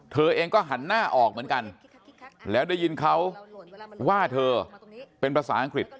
เธอเองก็หันหน้าออกเหมือนกันแล้วได้ยินเขาว่าเธอเป็นภาษาอังกฤษ